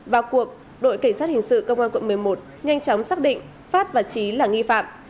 vào cuộc đội cảnh sát hình sự cơ quan quận một mươi một nhanh chóng xác định phát và chí là nghi phạm